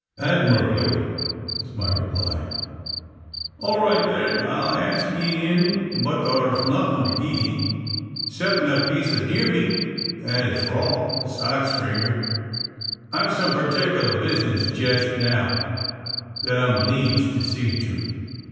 "Admirably!" was my reply. "All right, then! I'd ask ye in, but thur's nothin' to gie you 'ceptin' that piece o' deer meat, an' it's raw. Besides, strenger, I've some partickler bizness jest now, that I'm 'bleeged to see to."